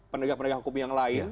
penegak penegak hukum yang lain